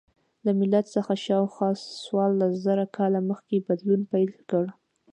له میلاد څخه شاوخوا څوارلس زره کاله مخکې بدلون پیل کړ.